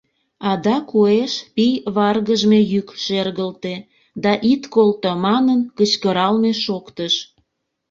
Адак уэш пий варгыжме йӱк шергылте да «ит колто!» манын кычкыралме шоктыш.